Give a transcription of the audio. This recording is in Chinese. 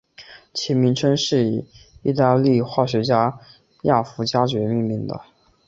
其名称是以义大利化学家亚佛加厥命名的。